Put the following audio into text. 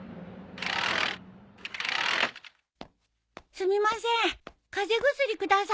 すみません風邪薬ください。